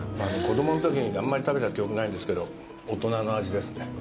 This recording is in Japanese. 子供のときにあんまり食べた記憶ないんですけど大人の味ですね。